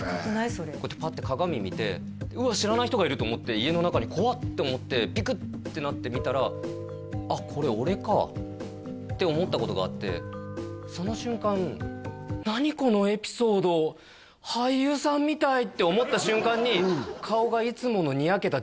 それこうやってパッて鏡見てうわっ知らない人がいると思って家の中に怖っ！って思ってビクッてなって見たらあっこれ俺かって思ったことがあってその瞬間って思った瞬間にえっ？